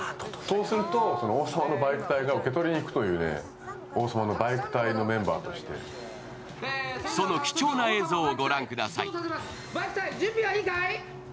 そうすると、「王様」のバイク隊が受け取りにいくという「王様」のバイク隊のメンバーとして。その貴重な映像を御覧ください。